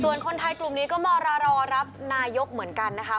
ส่วนคนไทยกลุ่มนี้ก็มารอรับนายกเหมือนกันนะคะ